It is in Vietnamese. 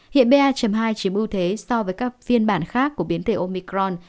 hiện ba hai chiếm ưu thế so với các phiên bản khác của biến thể omicron